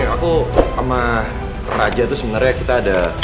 aku sama raja itu sebenarnya kita ada